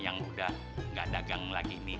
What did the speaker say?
yang udah gak dagang lagi nih